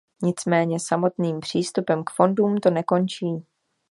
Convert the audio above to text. Nicméně samotným přístupem k fondům to nekončí.